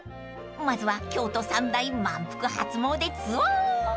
［まずは京都３大まんぷく初詣ツアー］